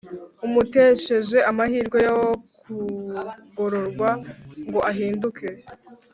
umutesheje amahirwe yo kugororwa ngo ahinduke